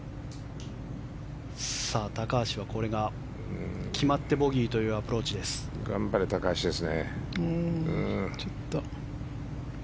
高橋はこれが決まってボギーという頑張れ高橋ですね。